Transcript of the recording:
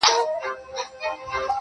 مرگه نژدې يې څو شېبې د ژوندانه پاتې دي